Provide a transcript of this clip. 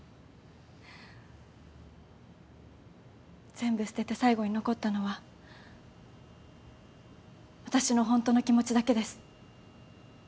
全部捨てて最後に残ったのは私のホントの気持ちだけです。